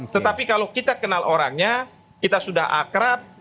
tetapi kalau kita kenal orangnya kita sudah akrab